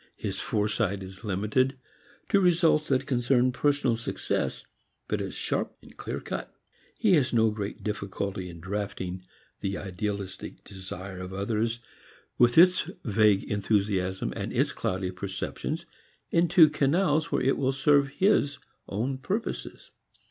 His foresight is limited to results that concern personal success, but is sharp, clearcut. He has no great difficulty in drafting the idealistic desire of others with its vague enthusiasms and its cloudy perceptions into canals where it will serve his own purposes.